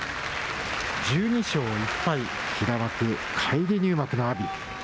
１２勝１敗平幕、返り入幕の阿炎。